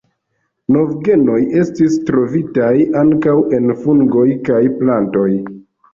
Novgenoj estis trovitaj ankaŭ en fungoj kaj plantoj.